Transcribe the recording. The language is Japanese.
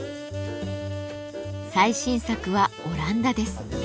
最新作はオランダです。